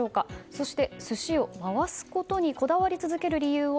そして、寿司を回すことにこだわり続ける理由を